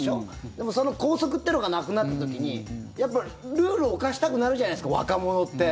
でも、その校則っていうのがなくなった時にやっぱりルールを犯したくなるじゃないですか若者って。